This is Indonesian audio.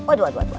aduh aduh aduh